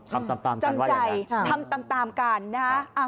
ทำตามกันว่าอย่างไรใช่ไหมคะจำใจทำตามกัน